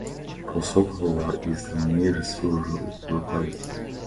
Posokhovo is the nearest rural locality.